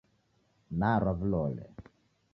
Narwa vilole